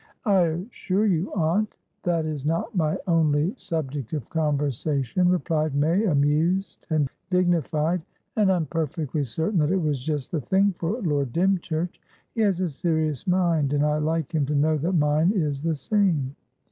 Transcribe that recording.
"I assure you, aunt, that is not my only subject of conversation," replied May, amused and dignified. "And I'm perfectly certain that it was just the thing for Lord Dymchurch. He has a serious mind, and I like him to know that mine is the same."